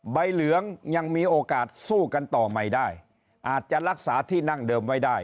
ใบเหลืองยังมีโอกาสสู้กันต่อใหม่ได้อาจจะรักษาที่นั่งเดิมไว้ได้